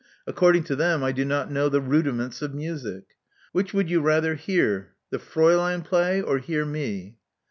According to them, I do not know the rudiments of music. Which would you rather hear the Fraulein play, or hear me?"